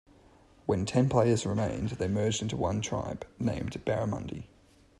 When ten players remained, they merged into one tribe, named Barramundi.